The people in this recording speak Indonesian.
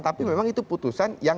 tapi memang itu putusan